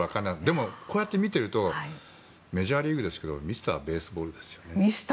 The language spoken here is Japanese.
でも、こうやって見てるとメジャーリーグですけどミスターベースボールですよね。